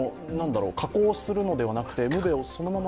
加工するのではなくて、ムベをそのまま？